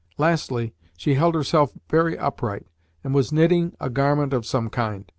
Lastly, she held herself very upright, and was knitting a garment of some kind.